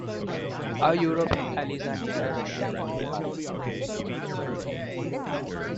Our European allies are nearer Russia than we are.